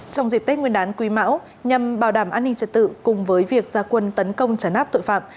trong dịp tết nguyên đán quý mão nhằm bảo đảm an ninh trật tự cùng với việc gia quân tấn công trả nát tội phạm